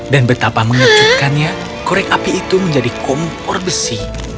dan betapa mengejutkannya korek api itu menjadi kompor besi